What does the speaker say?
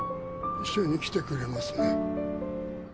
一緒に来てくれますね？